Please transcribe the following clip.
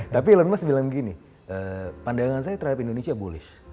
tapi elon musk bilang gini pandangan saya terhadap indonesia boleh